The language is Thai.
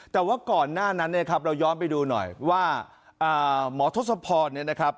แต่ว่าก่อนหน้านั้นเนี่ยครับเราย้อนไปดูหน่อยว่าหมอทศพรเนี่ยนะครับ